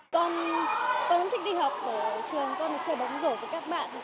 con thích đi học ở trường con được chơi bóng rổ với các bạn